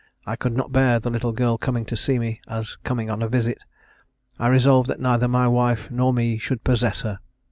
I could not bear the little girl coming to see me, as coming on a visit. I resolved that neither my wife nor me should possess her.